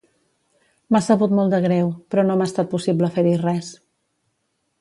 M'ha sabut molt de greu, però no m'ha estat possible fer-hi res.